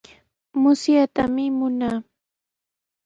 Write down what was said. Musyaytami munaa.